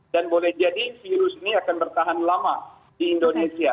dan boleh jadi virus ini akan bertahan lama di indonesia